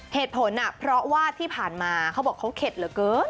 เหตุผลเพราะว่าที่ผ่านมาเขาบอกเขาเข็ดเหลือเกิน